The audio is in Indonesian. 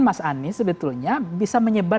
mas anies sebetulnya bisa menyebar